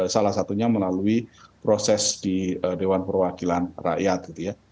salah satunya melalui proses di dewan perwakilan rakyat